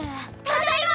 ただいま！